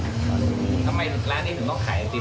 ทำไมร้านนี้ถึงต้องขายไอติม